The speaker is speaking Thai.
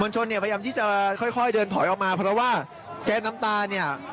ชนเนี่ยพยายามที่จะค่อยเดินถอยออกมาเพราะว่าแก๊สน้ำตาเนี่ย